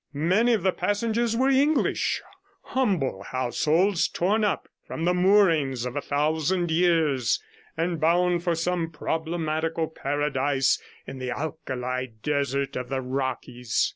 Many of the passengers were English; humble households torn up from the moorings of a thousand years, and bound for some problematical paradise in the alkali desert or the Rockies.